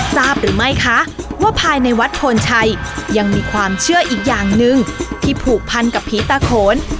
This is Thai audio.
ทราบหรือไม่คะว่าภายในวัดโพนชัยยังมีความเชื่ออีกอย่างหนึ่งที่ผูกพันกับผีตาโขน